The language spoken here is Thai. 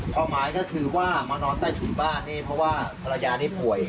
ความหมายก็คือว่ามานอนใต้ถุนบ้านนี่เพราะว่าภรรยานี่ป่วย